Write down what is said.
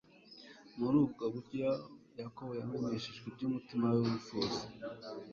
Murubgo buryo Yakobo yamenyeshejwibyumutima we wifuza